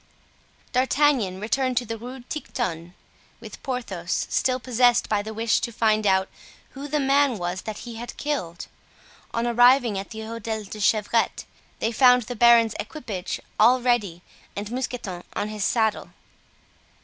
D'Artagnan returned to the Rue Tiquetonne with Porthos, still possessed by the wish to find out who the man was that he had killed. On arriving at the Hotel de la Chevrette they found the baron's equipage all ready and Mousqueton on his saddle.